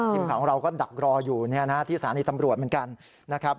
ทีมของเราก็ดักรออยู่ที่สาริตำรวจเหมือนกัน